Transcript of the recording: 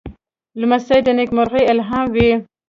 لمسی د نېکمرغۍ الهام وي.